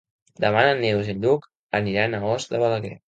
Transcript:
Demà na Neus i en Lluc aniran a Os de Balaguer.